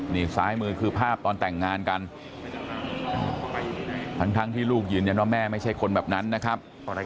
นี่ซ้ายมือคือภาพตอนแต่งงานกันทั้งที่ลูกยืนยันว่าแม่ไม่ใช่คนแบบนั้นนะครับ